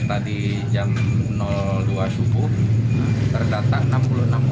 korban miliardara wat lima rumah sakit dan puskesmas di tasikmalaya